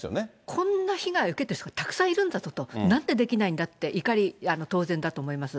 こんな被害を受けてる人がたくさんいるんだと、なんでできないんだって、怒り、当然だと思います。